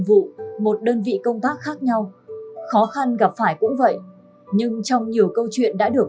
vụ một đơn vị công tác khác nhau khó khăn gặp phải cũng vậy nhưng trong nhiều câu chuyện đã được